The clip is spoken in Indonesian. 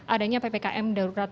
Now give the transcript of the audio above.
adanya ppkm darurat